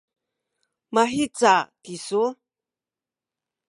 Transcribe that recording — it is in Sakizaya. mahica kisu?